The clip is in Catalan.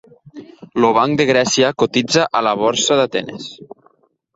El Banc de Grècia cotitza a la Borsa d'Atenes.